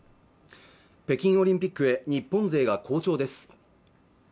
北京オリンピックで日本勢が好調です